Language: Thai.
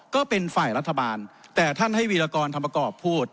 ก็เป็นฝ่ายรัฐบาลแต่ท่านให้วีรกรธรรมประกอบพูด